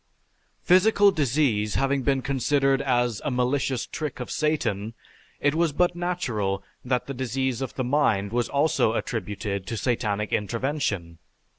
Physical disease having been considered as a malicious trick of Satan, it was but natural that the disease of the mind was also attributed to satanic intervention.